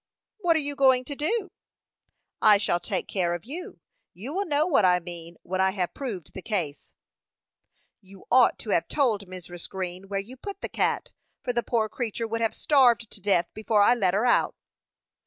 "What are you going to do?" "I shall take care of you; you will know what I mean when I have proved the case." "You ought to have told Mrs. Green where you put the cat, for the poor creature would have starved to death before I let her out."